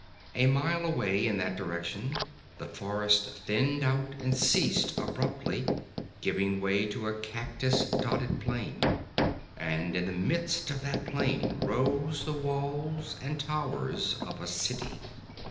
A mile away in that direction the forest thinned out and ceased abruptly, giving way to a cactus dotted plain. And in the midst of that plain rose the walls and towers of a city.